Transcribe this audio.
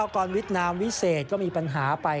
กรเวียดนามวิเศษก็มีปัญหาไป